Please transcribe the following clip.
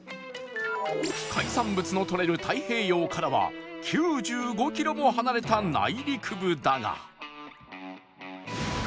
海産物の取れる太平洋からは９５キロも離れた内陸部だが